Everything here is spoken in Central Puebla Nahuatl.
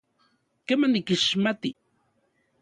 Kema, nikixmati.